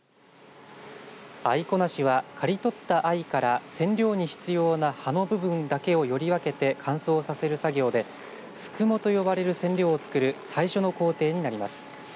藍粉成しは、刈り取った藍から染料に必要な葉の部分だけをより分けて乾燥させる作業ですくもと呼ばれる染料を作る最初の工程になります。